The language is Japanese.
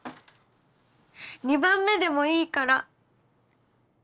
２番目でもいいから。